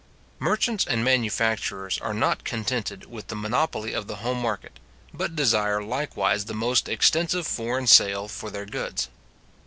Merchants and manufacturers are not contented with the monopoly of the home market, but desire likewise the most extensive foreign sale for their goods.